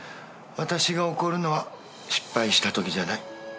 私が怒るのは失敗したときじゃない。